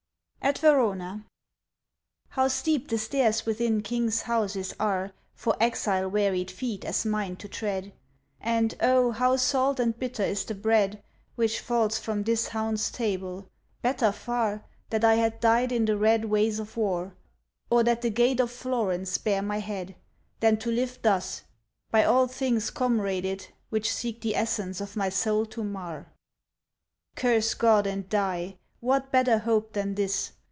AT VERONA HOW steep the stairs within King's houses are For exile wearied feet as mine to tread, And O how salt and bitter is the bread Which falls from this Hound's table,—better far That I had died in the red ways of war, Or that the gate of Florence bare my head, Than to live thus, by all things comraded Which seek the essence of my soul to mar. 'Curse God and die: what better hope than this?